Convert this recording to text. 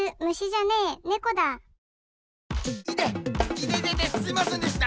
いてててすいませんでした！